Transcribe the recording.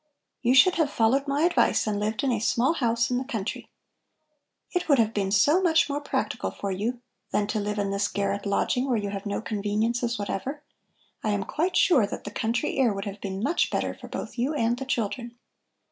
You should have followed my advice and lived in a small house in the country. It would have been so much more practical for you than to live in this garret lodging where you have no conveniences whatever. I am quite sure that the country air would have been much better for both you and the children."